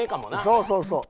そうそうそう。